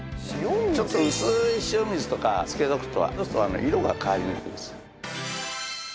ちょっと薄い塩水とか漬けておくとそうすると色が変わりにくいです。